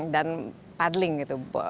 dan paddling gitu